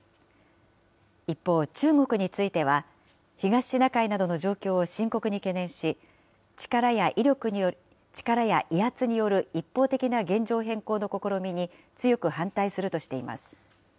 一方、中国については、東シナ海などの状況を深刻に懸念し、力や威圧による一方的な現状変更の試みに強く反対するとしています。